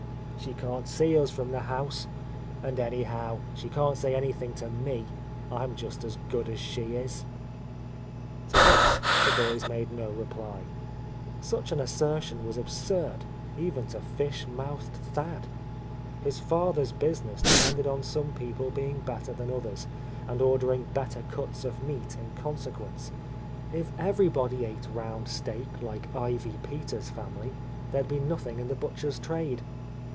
"She can't see us from the house. And any how, she can't say anything to me. I'm just as good as she is." A Lost Lady To this the boys made no reply. Such an assertion was absurd even to fish mouthed Thad ; his father's business depended upon some people being better than others, and ordering better cuts of meat in consequence. If everybody ate round steak like Ivy Peters' family, there would be nothing in the butcher's trade.